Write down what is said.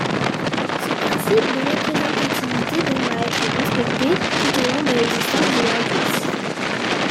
Ce principe de représentativité devra être respecté tout au long de l’existence de l'indice.